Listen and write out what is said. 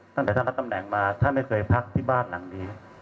ตั้งแต่ท่านรับตำแหน่งมาท่านไม่เคยพักที่บ้านหลังนี้